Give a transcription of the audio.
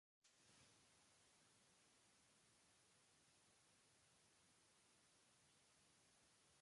Estas fueron las primeras patentes emitidas a Tesla en los Estados Unidos.